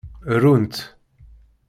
Runt.